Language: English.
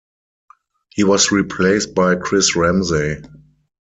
He was replaced by Chris Ramsey.